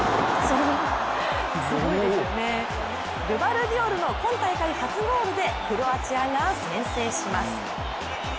グバルディオルの今大会初ゴールでクロアチアが先制します。